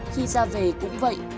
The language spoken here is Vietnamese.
khi ra về cũng vậy